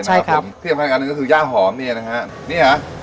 ใช่ครับที่สำคัญอันหนึ่งก็คือย่างหอมเนี่ยนะฮะนี่ฮะ